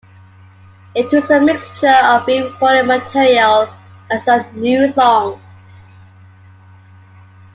It was a mixture of re-recorded material and some new songs.